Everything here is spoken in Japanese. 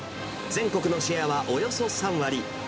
全国のシェアはおよそ３割。